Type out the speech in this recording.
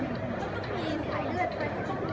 มันเป็นสิ่งที่จะให้ทุกคนรู้สึกว่า